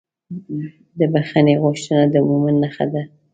د بښنې غوښتنه د مؤمن نښه ده.